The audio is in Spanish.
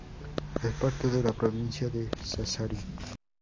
Es parte de la provincia de Sassari.